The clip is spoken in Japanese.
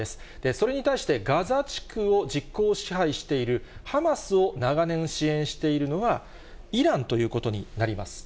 それに対して、ガザ地区を実効支配しているハマスを長年支援しているのはイランということになります。